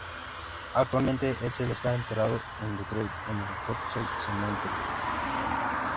Actualmente Edsel está enterrado en Detroit, en el Woodlawn Cemetery.